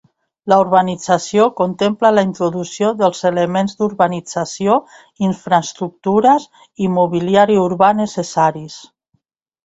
La urbanització contempla la introducció dels elements d’urbanització, infraestructures i mobiliari urbà necessaris.